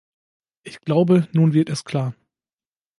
Ich glaube, nun wird es klar.